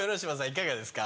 いかがですか？